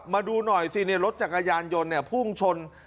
มาดูหน่อยสิรถจักรยายนต์ยนต์พุ่งชน